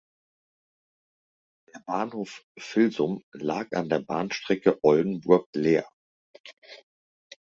Der Bahnhof "Filsum" lag an der Bahnstrecke Oldenburg–Leer.